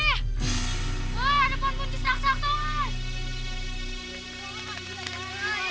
wah ada pohon kunci seraksa toi